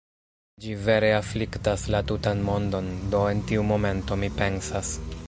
Ĝi vere afliktas la tutan mondon, do en tiu momento mi pensas: